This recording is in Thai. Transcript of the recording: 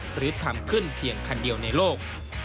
หรือทำขึ้นเพียงคันเดียวในโลก